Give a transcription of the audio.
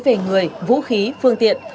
về người vũ khí phương tiện